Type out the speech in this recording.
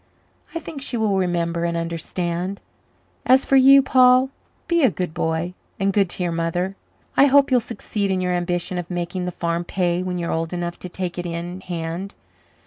I think she will remember and understand. As for you, Paul, be a good boy and good to your mother. I hope you'll succeed in your ambition of making the farm pay when you are old enough to take it in hand.